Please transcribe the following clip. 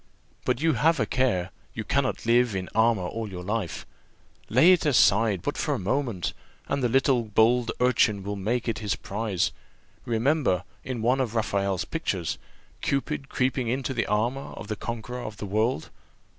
But have a care you cannot live in armour all your life lay it aside but for a moment, and the little bold urchin will make it his prize. Remember, in one of Raphael's pictures, Cupid creeping into the armour of the conqueror of the world."